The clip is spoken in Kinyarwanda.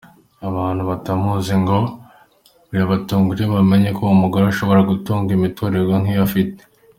Abantu batamuzi ngo birabatungura iyo bamenye ko umugore ashobora gutunga imiturirwa nk’iyo afite.